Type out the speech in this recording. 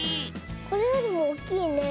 これよりもおっきいね。